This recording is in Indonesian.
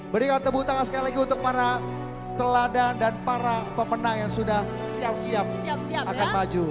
berikan tepuk tangan sekali lagi untuk para teladan dan para pemenang yang sudah siap siap akan maju